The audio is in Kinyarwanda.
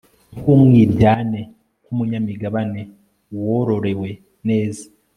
Nkumwiryane nkumunyamigabane wororowe neza